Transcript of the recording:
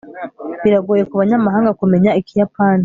biragoye kubanyamahanga kumenya ikiyapani